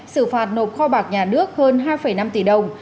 xử phạt nộp kho bạc nhà nước hơn hai năm tỷ đồng